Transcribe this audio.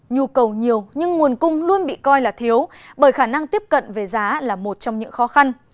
nhu cầu nhiều nhưng nguồn cung luôn bị coi là thiếu bởi khả năng tiếp cận về giá là một trong những khó khăn